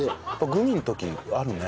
グミの時あるね。